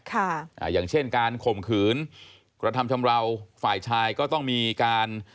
ค่ะอ่าอย่างเช่นการข่มขืนกระทำชำราวฝ่ายชายก็ต้องมีการ